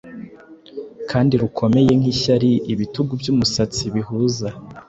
kandi rukomeye nkishyari, ibitugu byumusatsi bihuza